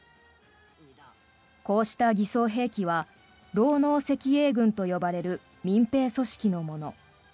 こうした偽装兵器は労農赤衛軍と呼ばれる民兵組織のもの。